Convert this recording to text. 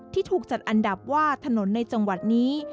ที่ถูกจัดอันดับว่าถนนในจังหวัดนี้